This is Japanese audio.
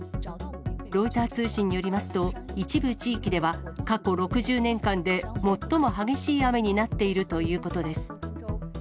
ロイター通信によりますと、一部地域では過去６０年間で最も激しい雨になっているということです。